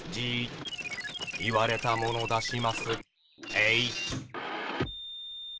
えい！